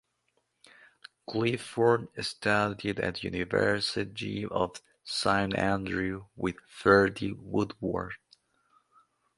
Clifford studied at University of St Andrews with Ferdy Woodward.